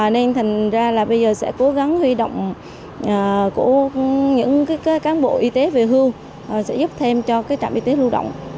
nên thành ra bây giờ sẽ cố gắng huy động những cán bộ y tế về hưu sẽ giúp thêm cho trạm y tế lưu động